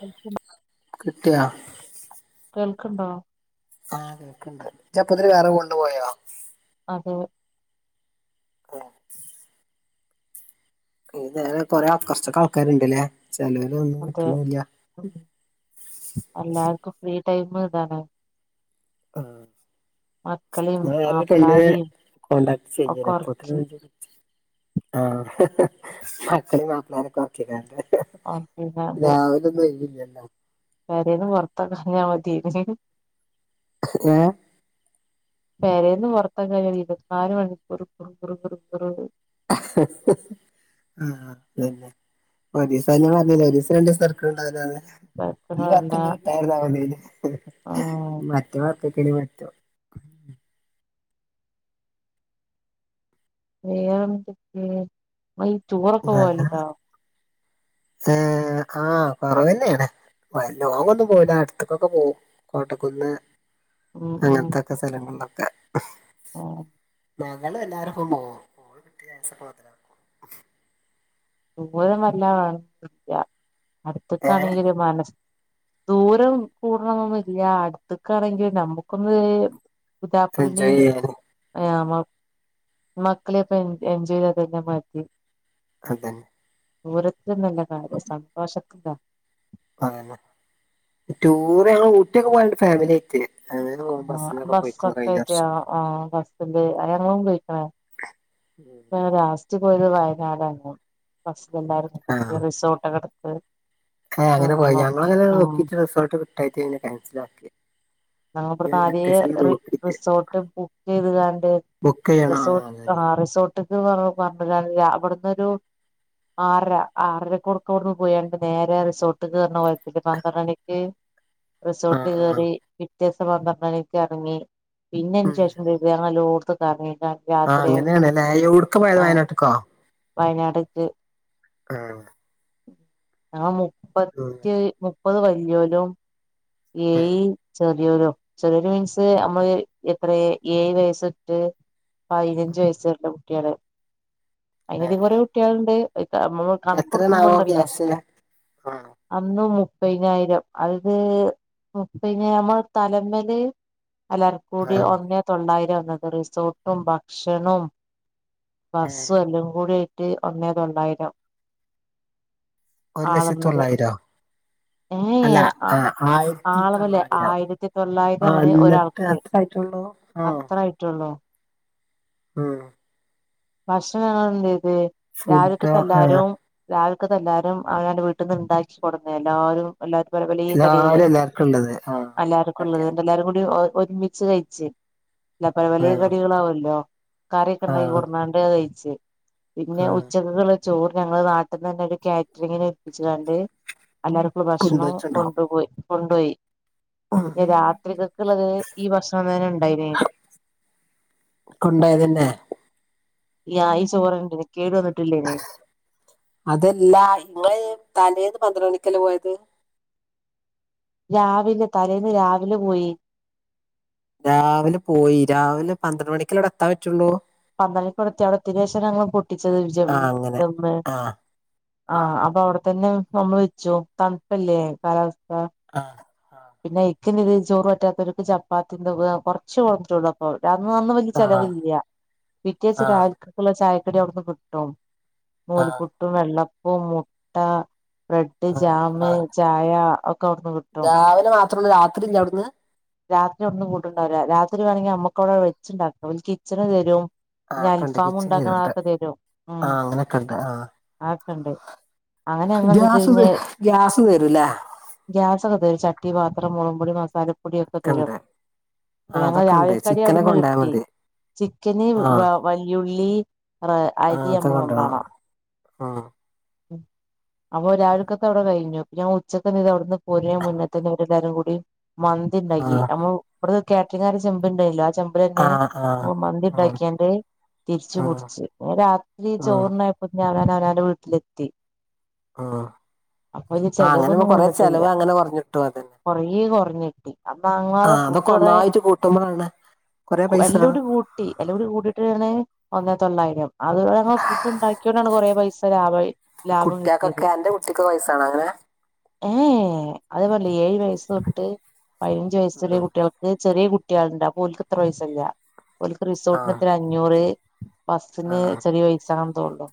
[unintelligible] കിട്ടിയാ കേൾക്ക്ണ്ടോ ആ കേക്ക്ണ്ട് ഇജി അപ്പൊത്തിനും വേറെ കോളിന് പോയോ അതെ താങ്ക്സ്. ഇ നേരെ കൊറേ ആ കൊറേച്ചെക്കെ ആൾക്കാരുണ്ടല്ലേ ചെലേരെ ഒന്നും അതെ കിട്ടണില്ല. എല്ലാർക്കും ഫ്രീ ടൈമ് ഇതാണ്. ആഹ്. മക്കളെയും [unintelligible] മാപ്പിളാരെയും കോൺടാക്ട്സ് ഒക്കെ [unintelligible] അപ്പോത്തിനും ഒറക്കി [unintelligible] ആൾക്കാരൊക്കെ ഒറക്കിങ്ങാണ്ട് [unintelligible] ഇങ്ങക്ക് ഒയ് വില്ലല്ലോ? പേരെന്ന് പൊറത്താങ്ങാ ക്കയിഞ്ഞ മാതിയാരുന്നു. ഹ് ഏഹ്. പേരെന്ന് പൊറത്തക്കാഞ്ഞതി ഇരുപത്തിനാല് മണിക്കൂറും പ്റു പ്റു പ്റു പ്റു. അഹ് ഹ് ഹ്. ആഹ് അതന്നെ ഒരീസ ഞാൻ പറഞ്ഞിലെ ഒരീസ രണ്ടിസവർക്ക്ണ്ടാവില്ലന്ന്. ഈ കേക്കണല്ല വർക്കനി കിട്ടായിര്ന്നാ മതിയെനി ആഹ് മറ്റേ വർക്കൊക്കെ ആണേ പറ്റും. വേറെന്തൊക്കെ ഇങ്ങള് ഈ റ്റൂറൊക്കെ പോവല്ണ്ടോ? സെ ആഹ് കൊറവന്നെയാണ്. ലോങ് ഒന്നും പോവില്ല അട്ത്ത്ക്കൊക്കെ പോവും കോട്ടക്കുന്ന്. ഉം അങ്ങനത്തൊക്കെ സ്ഥലങ്ങളിലൊക്കെ. ഉം. ഞങ്ങളെല്ലാരും ഒപ്പ പോവും [inaudible] ദൂരമല്ല [unintelligible] ഏഹ് അടുത്തക്കാണെങ്ക ഒര് മനസ് ദൂരം കൂടണംനൊന്നുംല്ല അടുത്തക്കാണെങ്കി നമ്മുക്കൊന്ന് പുതാപ്പളന്റെ എൻജോയ് ചെയ്യാന് ആഹ് മ മക്കള് പ്പ എൻ എൻജിനിതെല്ല മാറ്റി. അതെ. ദൂരത്തിനല്ല കാര്യം സന്തോഷത്തിലാ. അങ്ങനെ ടൂർ ഞങ്ങള് ഊട്ടിയൊക്കെ പോയണ്ട് ഫാമിലി ആയിറ്റ്. അങ്ങനെ പോവും ബസ്സിനൊക്കെ പോയിക്ക്ണു കഴ്ഞ്ഞ വർഷം. ആഹ് ബസ്സില് അങ്ങനെ ഞങ്ങളും പോയ്ക്ക്ണ് ‌. പ്പ ഞങ്ങള് ലാസ്റ്റ് പോയത് വയനാട്ന്നു ബസ്സിൽ എല്ലാരും ഈ റിസോർട്ടൊക്കെട് ക്കെ അങ്ങനെ പോയി ഞളങ്ങനെ ഉം നോക്കിട്ട് റിസോട്ട് കിട്ടായിട്ട് പിന്നെ ക്യാൻസലാക്കി. ഞങ്ങള് ഇബ്ട്ന്ന് ആദ്യയെ റി റിസോർട്ട് ബുക്ക് ചെയ്ത്കാണ്ട്. ബുക്ക് ചെയ്യണം ആഹ് റിസോർട്ട് അതന്നെ ആ റിസോർട്ട്ക്ക് പറഞ് കാണ്ട് അവ്ട്ന്നൊരു ആറര ആറരക്ക് [unintelligible] പോയണ്ട് നേരെ റിസോർട്ട് കേയറണ [unintelligible] പന്ത്രണ്ട് മണിക്ക് റിസോർട്ട് ആഹ് ആഹ് കെറി പിറ്റേസം പന്ത്രണ്ടണിക്ക് എറങ്ങി പിന്ന അയിന് ഉം ശേഷം [unintelligible] എല്ലടോത്തും കറങ്ങി ക ആഹ് അങ്ങനെയാണ്ല്ലേ യോട്ക്ക് പോയ വയനാട്ട്ക്കോ? വയനാട്ക്ക്. ഉം. ഞങ്ങള് ഉം മുപ്പത്തി മുപ്പത് വല്ല്യോലും ഉം ഏയ് ചെറിയൊരൊ ചെറിയൊര് മീൻസ് നമ്മള് എത്ര ഏയ് വയസ് റ്റ് പയ്നഞ്ചു ഉം വയസ്സ് വരെള്ള കുട്ടികള് ആഹ് അയിനേടെ കൊറേ ആഹ് കുട്ടികാള്ണ്ട് ആയിത്തെ അമ്മ. കണക്ക് എത്രേണാവോ കൊടുക്കുമ്പണ്ടല്ലോ ക്യാഷ് ആഹ് അന്ന് മുപ്പയ്നായ്രം അത് മുപ്പ പിന്നെ നമ്മളെ തലമ്മല് എല്ലാർകൂടി ആഹ് ഒന്നേ തൊള്ളായിരം എന്നത് റിസോർട്ടും ഭക്ഷണും ഏഹ് ബസ്സ് എല്ലാം കൂടി ആയിട്ട് ഒന്നേ തൊള്ളായിരം. ഒരു ലക്ഷത്തി ആളൊന്നിന് തൊള്ളായിരോ ഏയ് അല്ല ഏഹ്. ആഹ് ആയിരത്തി ആളെബലെ തൊള്ളായിരം ആയിരത്തി തൊള്ളായിരം ആഹ് ഇവ്ടെ എന്നിട്ട് ഒരാൾക്ക് അത്ര ആയിട്ടുള്ളൂ ആഹ് അത്രായ്ട്ടൊള്ളൂ. ഉം. ഭക്ഷണങ്ങള് കോണ്ടോയത് ഫുഡോ രാവിലക്കത്തെ ആഹ് എല്ലാരും രാവില്ക്കത്തെ എല്ലാരും അവനവന്റെ വീട്ടിന്ന് ഇണ്ടാക്കി കൊടന്നേ എല്ലാരും എല്ലാരും പലെ പലെ കടികളെ എല്ലാരും എല്ലാർക്കും ഉള്ളത് ആഹ് അല്ലാവർക്കുംള്ളത് കാട്ടിയാതി എന്നിട്ട് എല്ലരും കൂടി ഒര്മി ച്ച് കയിച്ച് ല്ലാ പലെ പലെ ആഹ് കടികളാവ് ല്ലോ കറിഒക്കെ ണ്ടാക്കി ആഹ് കൊട്ന്നാ ട്ട് കയിച്ച് പിന്നെ ആഹ് ഉച്ചക്ക്ക്കെള്ളെ ‌ ചോറ് ഞങ്ങള് നാട്ട്ന്നന്നെ ഒരു കാറ്ററിങ്ങിന് ഏൽപ്പിച്ചാണ്ട് എല്ലർക്കും ഭക്ഷണം കൊണ്ടോയിട്ടുണ്ടോ കൊണ്ടുപോയി കൊണ്ടോയി. പിന്നെ രാത്രികെക്ക്ള്ളത് ഈ ഭക്ഷണം തന്നെ ണ്ടായിന കൊണ്ടയതന്നെ യാ ഈ ചോർ [unintelligible] കേടു വന്നിട്ടില്ലേനെ അതല്ലാ ഇങ്ങള് തലേന്ന് പന്ത്ര മണിക്കല്ലേ പോയത്? രാവിലെ തലേന്ന് രാവിലെ പോയി രാവിലെ പോയി രാവിലെ പന്ത്രണ്ട് മണിക്കല്ലെ അവിടെ എത്താൻ പറ്റുള്ളൂ പന്തളിക്കടുത്തി അവിടെത്തിനേഷം ഞങ്ങൾ പൊട്ടിച്ചത് വി ആഹ് അങ്ങനെ ദമ്മ് ആഹ് ആഹ് അപ്പൊ അവടെ തന്നെ നമ്മൾ വെച്ചു തണുപ്പല്ലേ കാലാവസ്ഥ ആഹ് പിന്നെ ഇക്ക് ഇതില് ചോറ് പറ്റാത്തവർക്ക് ചപ്പാത്തി [unintelligible] കുറച്ച് കൊടന്നിട്ടൊള്ളു ഓ അന്ന് അന്നു വല്യ ആഹ് ചെലവില്യ ആഹ് പിറ്റേച്ചരാൾകെക്കുള്ള ചായക്കടി അവിടുന്ന് കിട്ടും നൂൽ ആഹ് പ്പുട്ടും വെള്ളപ്പും മുട്ട ബ്രെഡ് ആഹ് ജാമ ആഹ് ചായ അക്കെ അവ്ട്ന്ന് കി രാവിലെ മാത്രൊള്ളൂ രാത്രി ഇല്യ അവിടുന്ന് രാത്രി അവ്ട്ന്ന് ഫുഡ്ണ്ടാവൂല രാത്രി വേണങ്കി ഞമ്മക്ക് അവിടെ വെച്ണ്ടാക്ക ഓല് കിച്ചണ് തരും ഞ്ഞ് ആഹ് ഉണ്ട് അൽഫാം കിച്ചണിലുണ്ട് ഉണ്ടാക്കണതൊക്കെ തരും ഉം ആഹ് അങ്ങനൊക്കെ ഉണ്ട് ആഹ് ആക്കെണ്ട് ഗ്യാസ് ത് ഗ്യാസ് തരുംല്ലേ ഗ്യാസ ഒക്കെ തരും ചട്ടി പാത്രം മുളുംപൊടി മസാലപ്പൊടിയ ഒക്കെ തരും ക്കണ്ട് അപ്പൊ ആഹ് ഞങ്ങള് അതൊക്കെ ഉണ്ട് രാവിലക്കടി ചിക്കനൊക്കെ അവിടുന്ന് കൊണ്ടോയാ കിട്ടി മതി ചിക്കന് ആഹ് വ വല്യുള്ളി റ ആഹ് അരി അതൊക്കെ അമ്മ കൊണ്ടോണം ഉം [inaudible] അപ്പൊ രാവിൽക്കത്തെ അവിടെ കഴിഞ്ഞു ഞാൻ ഉച്ചക്ക ന്തീതു അവിടുന്ന് പോരണെന്റെ മുന്നേത്തന്നെവരെല്ലാവാരും കൂടി മ ന്തിണ്ടാക്കി ആഹ് നമ്മ ഇവിഡ്ത്തെ കാറ്ററിങ്ങേര് ചെമ്പണ്ടായിലോ ആ ചെമ്പ് ബരന്നെ ആഹ് ആഹ് ഉം മന്തിണ്ടാക്കിയാണ്ട് ഉം തിരിച്ചുപുടിച്ചു രാത്രി ഉം ചോറിന് പഞ്ഞ അവരാൻ അവനാന്റെ വീട്ടിലെത്തി ആഹ് അപ്പൊ അതില് അ അങ്ങനെ ചെലവൊന്നും കൊറ വന്നിട്ടില്ല ചെലവ് അങ്ങനെ കൊറഞ്ഞിട്ടു അതന്നെ കൊറേ കൊറഞ്ഞിട്ടി അപ്പ അങ്ങതെ ഫുഡ് കുറെ കൂട്ടമ്മളാണ് എല്ലുടി കൂട്ടി എല്ലൂടി കൂട്ടീട്ട്ാണ് ഒന്നെത്തൊള്ളായിരം അത് ഫുഡ് ഉണ്ടാക്കിൊണ്ടാണ് കുറെേ പൈസ ലാഭായ കുട്ട്യേക്കൊക്കെ അന്റെ കുട്ടിക്ക് വയസാണ് അങ്ങനെ എ അത്പെ [unintelligible] ഏഴ് വയസ് തൊട്ട് പതിനഞ്ച് വയസ്സുള്ള ഉം കുട്ടികൾക്ക് ചെറിയ കുട്ടികളുണ്ട് അപോലക്ക് ത്ര പൈസ്സല്ല ഓര്ക്ക് ആഹ് റിസോർട്ടിനെത്ര അഞ്ഞൂറ് ബസിന് ആഹ് ചെറിയ പയസാക തോള്ളു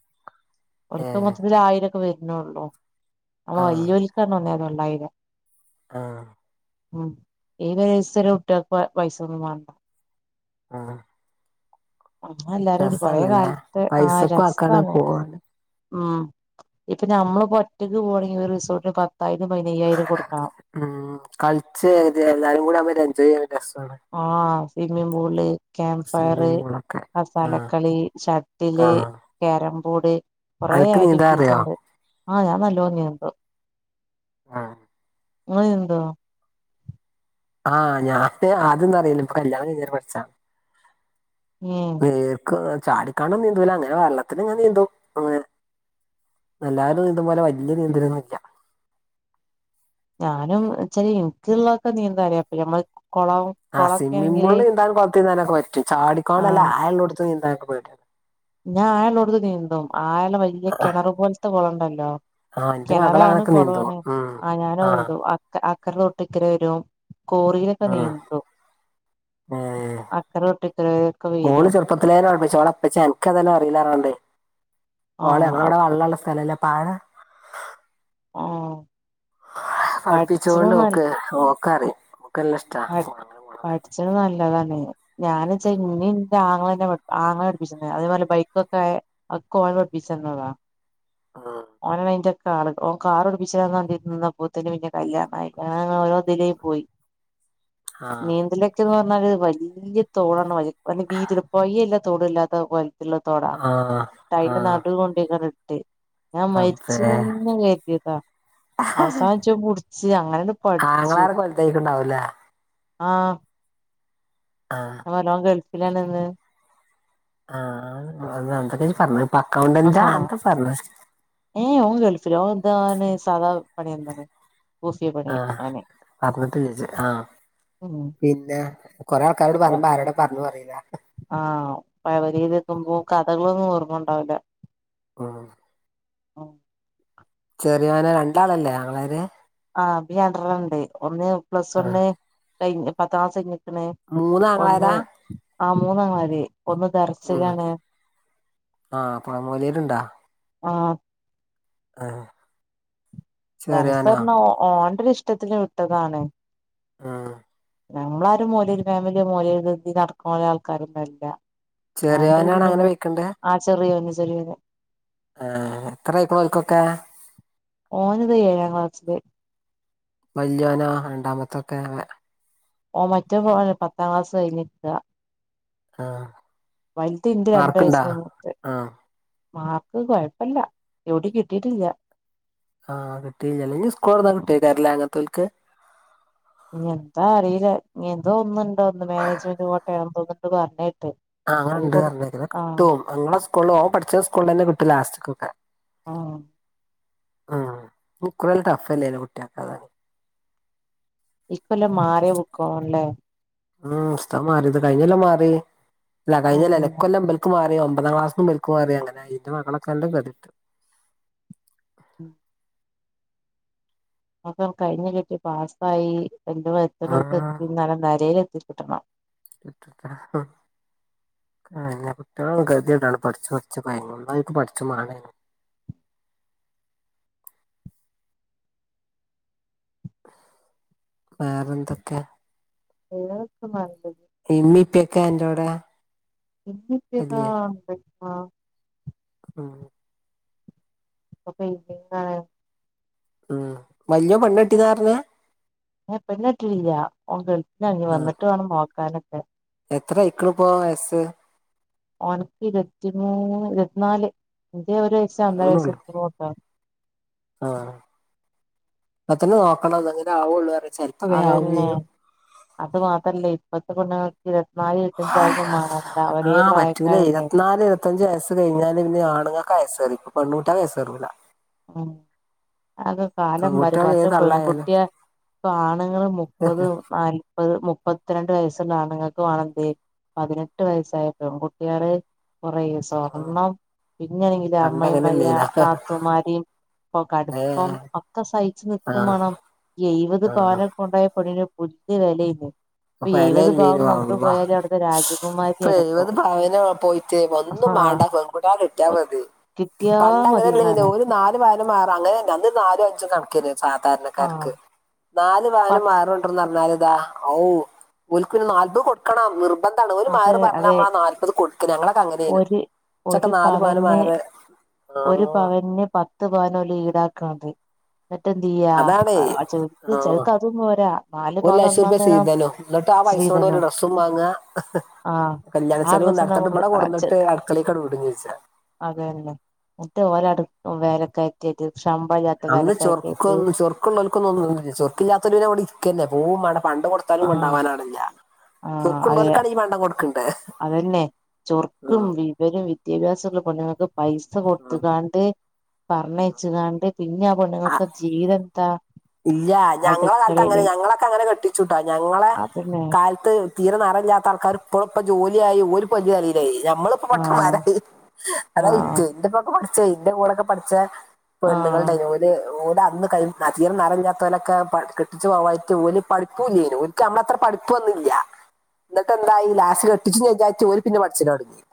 ഒക്ക ഏഹ് മൊത്തത്തില് ആയിരംൊക്കെ വരുന്നുള്ളൂ അ ആഹ് വലിയൊൽക്കാണ് ഒന്നേതൊള്ളയിരം ആഹ് ഉം ഏ [unintelligible] സര കുട്ട്യേൽക് പൈസൊന്നും വണ്ട ആഹ് ആ എല്ലാരുംടി കൊറെ രസാണല്ലേ കാലത്ത് ആ പൈസക്കും ആക്കാണ് രസാണ് പോവാന് ഉം ഇപ്പൊ നമ്മള് പ്പോ ഒറ്റക്ക് പോകാണെങ്കി ഒരു റിസോർട്ടിന് പത്തായിരം പതിനയ്യായിരം കൊടുക്കണം ഉം കളിച്ചേ തി എല്ലാരും കൂടിആമ്പോ എൻജോയ് ചെയ്യാൻ രസാണ് ആഹ swimming pool camp fire swimming പൂളൊക്കെ ആ കസാലക്കളി ആ ഷട്ടില് കാരം ബോർഡ് കൊറെേ അനക്ക് നീന്താൻ അറിയോ ആക്ടിവിറ്റീസ്ണ്ട് ആഹ് ഞാൻ നല്ലോനീന്തും ആഹ് ങ്ങള് നീന്തോ? ആഹ് ഞാന് അദ്യോന്നും അറിയില്ല ഇപ്പൊ കല്ല്യാണം കയ്ഞ്ഞാരെ പഠിച്ചാണ് ഏഹ് നീർക്കോ ചാടിക്കാണ്ടൊന്നും നീന്തൂല അങ്ങനെ വെള്ളത്തിങ്ങനെ നീന്തും അങ്ങനെ അല്ലാരും നീന്തുംപോലെ വല്ല്യ നീന്തലൊന്നുന്നില്ല ഞാനുംച്ചാല് ഇൻക്ക്ള്ളൊക്കെ നീന്താനറിയ അപ്പ ഞമ്മല് കൊളവും ആഹ് സ്വിമ്മിംഗ് പൂളിൽ നീന്താനും കൊളത്തിനീന്താനൊക്കെ പറ്റും ചാടിക്കോണ്ടല്ല ആഹ് ആയള്ളോട്ത് നീന്താനൊക്കെ പേടിയാ ഞാൻ അയള്ളോട്ത്ത് നീന്തും അയള്ള വല്ല്യ കിണറു പോലത്തെ കൊളണ്ടല്ലോ ആ എന്റെ മകൾ കിണറാണ് അങ്ങനൊക്കെ നീന്തും കൊളാണ് ഉം അങ്ങേ ആ ഞാനത് നീന്തും അക്ക അക്കര തൊട്ട് ഇക്കരെ വരും കോറിയിലൊക്കെ ഉം നീന്തും ഏ അക്കര തൊട്ടിക്കരവരൊക്കെ വരും പ്പത്തിലേനെ പഠിപ്പിച്ചു ഓളെപ്പച്ചി അൻക്കേതായാലും അറിയില്ലാർഞ്ഞ്ക്കാണ്ടേ ഓളെ ആഹ് ഞങ്ങളവടെ വള്ളള്ളെ സ്ഥലല്ലേ പാടാ ഓഹ് പഠിപ്പിച്ചോണ്ട് ഓക്ക് ഓക്കറിം ഓക്കല്ലഷ് [unintelligible] പഠിച്ചത് നല്ലതാണ് ഞാന്ച്ചാ ഉം, ഇന്നിം ന്റെ ആങ്ങളെന്നെ ആങ്ങളെ പഠപ്പിച്ച്തന്ന അതുപോലെ ബൈക്കൊക്കെ ഒക്കെ ഓൻ പഠിപ്പിച്ചന്നതാ ഉം. ഓനാണയ്ന്റൊക്കെ ആള് കാറ് ഓൻ കാറട്പിച്ചരാൻ മാണ്ടീട്ട് നിന്നപ്പോത്തിന് പിന്നെ കല്ല്യാണായി ആ ഓരോതിലായി പോയി ആ നീന്തലൊക്കെന്ന് പറഞ്ഞാല് വല്ല്യ തോടാണ് വൽ വല്ല്യ വീഥിള്ള പൊഴിഅല്ലാ തോടുഅല്ലാത്ത പോ [unintelligible] തോടാ ആ ആ അയിന്റെ നടൂ കൊണ്ടോയ്ക്കാണ്ട് നിർത്തി ഞാൻ അപ്പേ മര്ച്ച്ന്നന്നെ കര്തിയതാ അവസാനംച്ച് പുടിച്ച് അങ്ങനെണ്ട് പഠിച്ചു തയ്ക്ക് ഉണ്ടാവുംലേ ആഹ് ആഹ് [unintelligible] ഓൻ ഗൾഫിലാണ്ന്ന് ആഹ് അന്തൊക്കെ ഇജ്ജ് പർഞ്ഞ് ഇപ്പ അക്കൗണ്ടന്റ ആഹാ എന്തജ്ജ് പർഞ്ഞ് ഏ ഓൻ ഗൾഫിലാ ഓൻന്താർഞ്ഞ് സാതാപണി എന്താണ് കൂഫിയ പണി ആഹ് ഓന് അർഞ്ഞിട്ടില്ലജ്ജ് ആഹ് ഉം പിന്നെ കൊറേ ആൾക്കാരോട് ഓ പറയുമ്പോ ആരോടാ പർഞ്ഞു അറീലാ ആഹ് പഴേപെരീല് നിക്കുമ്പോ കഥകളൊന്നും ഓർമ്മണ്ടാവൂലാ ഉം ചെറിയോനോ രണ്ടാളല്ലേ ആങ്ങളാര് ആഹ് അഭിരണ്ട്രണ്ണണ്ട് ഒന്ന് പ്ലസ് ആ. വണ്ണ് കഴിഞ്ഞ് പത്താം ക്ലാസ് കഴിഞ്ഞ്ക്ക്ണ് ഒന്ന് മൂന്നാങ്ങളാരാ ആഹ് മൂന്നാങ്ങളമാര് ഒന്ന് ഉം. ദർസ്സിലാണ് ആ പുഴമൂലയിലുണ്ടോ ആഹ് ആഹ് ദർസ്സറിഞ്ഞാ ഓന്റൊരു ഇഷ്ടത്തിന് വിട്ടതാണ് ആഹ് നമ്മളാരും മോലേര് ഫാമിലിയോ മോലരുതി നടക്കുന്ന പോലെ ആൾക്കാരൊന്നല്ല ആണ്ട്ര ചെറിയോനാണ് അങ്ങനെ പിന്നെന്നാ വെക്കണ്ടേ ആഹ് ചെറിയോന് ചെറിയോന് ആഹ് എത്ര അയ്കുണുഓൽക്കൊക്കെ ഓന്ത് ഏഴാം ക്ലാസ്സ്‌ല് വല്ല്യോനോ രണ്ടാമത്തൊക്കെ ഓ മറ്റേ മോന് പത്താം ക്ലാസ് കഴിഞ്ഞിര്ക്കാ ആ വൽത് ഇന്റെ രണ്ട് മാർക്കുണ്ടാ വയസ്സിന് മൂത്ത് ആ മാ ക്ക് കൊഴ്പ്പല്ല എവിടിം കിട്ടീട്ടില്ല ആഹ് കിട്ടയില്ല ഞ്ഞി സ്കൂൾതൊർന്നാ കിട്ടൊയ്ക്കാരംല്ലേ അങ്ങൻതോര്ക്ക് ഇനി എന്താ അറിയില്ല ഇനി എന്തോന്നുണ്ടോ ഒന്ന് മാനേജ്മെന്റ് കോട്ട തോന്നിണ്ട് പറഞ്ഞിട്ട് ആഹ് അങ്ങനെ ഉണ്ട്ഞ്ഞെ കിട്ടും ഞങ്ങളെ സ്കൂളിൽ ഓൻ പഠിച്ച സ്കൂളിൽ തന്നെ കിട്ടും ലാസ്റ്റൊക്കെ ആഹ് ഉം ന കുറെ ടഫലേല്ലെ കുട്ടികൾക്കെ അതാണ് ഇക്കൊല്ലം മാറി ബുക്കോല്ലെ ഉം പുസ്ത മാറിയത് കഴിഞ്ഞെല്ലാം മാറി ഇല്ല കഴിഞ്ഞല്ല ഉം ഇക്കൊല്ലാം ക്ക് മാറിയ ഒമ്പതാം ക്ലാസ്സ്ന്നും ബ്ക്ക് മാറി അങ്ങനെ ന്റെ മകളൊകെ അല്ലൊം കെതിട്ട് ഉം അപ്പം കഴിഞ്ഞ് കിട്ടി പാസ്സായി എന്റെ വര്ത്ത്ണോട്ത്ത് എത്തി ന്നല നരേല് എത്തി കിട്ടണം [inaudible] ആഹ് ഇല്ല്യ എന്ന കുട്ടിഎളും കെതിടാണ് പഠിച്ചു പഠിച്ചു ഭയങ്ക ന്നാ ഓൽക്ക് പഠ്ച്ചും മാണേനും വേറന്തൊക്കെ ഇങ്ങനൊക്കെ മാറി പോയി ഇമ്മി പ്പി ഒക്കെ അൻ്റോടെ ഇട്ത്തെച്ചതാ പൊയ് ആഹ് ആഹ് പ്പം പെയ്സക്കാണേലും ഉം വല്ല്യോൻ പെണ്ണട്ടിന്നാർഞെ ഹേ പെണ്ണട്ടില്ല്യ ഓം ഗെൾഫിലാണ് ആ വന്നിട്ട് വേണം നോക്കാനൊക്കെ എത്ര അയക്കണിപ്പോ വയസ്സ് ഓൻക്ക് ഇരത്തിമൂന്ന് ഇരത്ത്ന്നാല് ഇൻ്റെ ഒരഴ്സ് ഒന്നരയ്സ് [unintelligible] ആഹ് അത്ത്ന് നോക്കണം ന്നെങ്കിലേ ആളുള്ളൂ അറിം ചെൽ അതെന്നെ അത് മാത്രല്ലേ ഇപ്പത്തെ പെണ്ണ്ങക് ഇരുവത്ത്നാല് ഇരുവത്താഞ്ചായോണ്ട് മാങണ്ട ഒരേ പ്രായക്കാരല്ലേ ത്തെഞ്ച് വയസ് കഴിഞ്ഞാല് ഞി ആണ്ങ്ങക്കാ വയസേറി പെണ്ണൂട്ടിആക്ക് വയസേറൂല ആഹ് അകെ കാലം മാറി പെൺകുട്ടികൾ പണ്ട് ഏത് തള്ളായാലും പെൺകുട്ടിയ ഇപ്പ ആണ്ങ്ങള് മുപ്പത് ന്നാൽപ്പത് മുപ്പത്ത്രണ്ട് വയസ്സ്ള്ള ആണ്ങ്ങക്ക് വാണം ന്തേ പതിനെട്ട് വയസ്സായ പെൺ കുട്ടിയേള് കൊറേ സ്വർണ്ണം പിന്നെങ്കില് പണ്ട് അമ്മായ്മല്ല്യ അങ്ങനെയല്ലേനാ ന്നാത്തൂമാര് പ്പൊ ഏ കട്പ്പം ഒക്കെ സഹിച്ച് ആ ന്ന്ക്കും മാണം എയ്വത് ആ പവനം കൊണ്ടോയെ പെണ്ണ്ന് പുല്ല് വെലേനി വെലല്ലേനി അള്ളാ പ്പം രാജകുമാരിയാണ് ഇപ്പൊ എഴുവത് പവനാ പോയി ചേ ഒന്നും ആഹ് മണ്ടാ പെൺകുട്ടിഅളെ കിട്ടിയാ മതി കിട്ടിയാ പണ്ട് അങ്ങനല്ലേനി മതിന്നാണ് ഓല് ന്നാല് ഭാ ന്ന് മഹറ് അങ്ങനല്ല അന്ന് ന്നാലുഅഞ്ചും കൺക്കേനി ആഹ് സാധാര്ണക്കാര്ക്ക് നാല് പ പവനമഹ്റ് ഒണ്ടന്നാ ന്നാല്താ ഔ ഓൽക്ക് ന് നാല്പത് കൊട്ക്കണം നിർബന്ധാണ് ഓല് അതെ മഹ്റ് പർഞ്ഞാ അതെ അമ്മളാ നാല്പത് കൊട്ക്കണ ഞങ്ങളൊകെ അങ്ങനേനു ഒരു ഇച്ചൊക്കെ നാല് പവന് മഹ്റ് ഒരു പവൻന് പത്ത് പവന ഒല് ഈടാക്ക്ണത് ന്നട്ടെന്ത് എയ്യ ആഹ് അതാണേ അഹ് ആഹ് ചെൽത് ആ ചെൽക്കതും പോരാ നാല് പവനംഒന്നാന്തരം ന്നട്ട് ആഹ് പൈസോണ്ടോര് ന്ന സ്സും മാങ്ങ്അ ആഹ് [unintelligible] കല്ല്യാണ ആ ചെലവും ഡ്രസ്സന്നെ ന്നട്ത്ത് ട്ട് ഇബട അങ്ങോട്ട് കൊട്ന്ന്ട്ട് അട്ക്കളേക്കാട്ട് വിടും ചെയ്യ അതെന്നെ ന്നട്ട് ഓലെട് വേലക്കാര്ത്തിആയിറ്റ് ശമ്പളല്ല്യാ അന്ന് ചൊർക്കൊന്ന് ചൊർ ക്ക്ള്ളോൽക്കൊന്ന്ന്നുല്ല ചൊർക്ക്ല്ലാത്തോര് ന്നെ അവ്ടെ ഇര്ക്കെന്നെ പോഉം മാണ്ട പണ്ടം കൊട്ത്താലും ആഹ് കൊണ്ടാവാനാള്ല്ല ആഹ് അതെ ചൊർക്ക്ള്ളോൽക്കാണെങ്കി പണ്ടം കൊട്ക്കണ്ടേ? അതന്നെ ചൊർക്കും വിവരും വിദ്യാഭ്യാസള്ള പെണ്ങ്ങൾക്ക് പൈസ കൊട്ത്ത്കാണ്ട് പറഞ്ഞയ്ച്ച്കാണ്ട് പിന്നെ ആഹ് പൊണ്ങ്ങക്ക് ജീവെത്താ ഇല്ലാ ഞങ്ങള കാൽത്ത് അങ്ങനെ ഞങ്ങളൊക്കെ അങ്ങനെ കെട്ടിച്ചുട്ടോ ഞങ്ങളെ അതന്നെ കാൽ ത്തെ തീരെ ന്നറല്ലാത്ത ആൾക്കാര് ഇപ്പളും പ്പ ജോലിആയി ഓര്പ്പം വല്ല്യ എലേലായി ഞമ്മള് പ് ഒക്കെ ആഹ് പൊട്ടമാരായി അതാ ആഹ് വിറ്റ് ന്റെപ്പൊക്കെ പഠിച്ചെ എന്റെ കൂടൊക്കെ പഠ്ച്ചെ ആഹ് പെണ്ണ്ങ്ങള്ണ്ടായ്നി ഓൽ ല് ഓലന്ന് കയ് അതികം ന്നറല്ലാത്തോ ലൊക്കെ പ കെട്ടിച്ചു പോവായ്റ്റും ഓല് പഠിപ്പൂല്ലേനി ഓല് ക്ക് അമ്മളത്ര പഠിപ്പൊന്നുല്ല എന്നിട്ടെന്തായി ലാസ്റ്റ് കെട്ടിച്ചുംചെജ്ജായ്ട്ട് ഓല് പിന്നെ പഠ്ച്ചെലൊട്ങ്ങി ആഹ്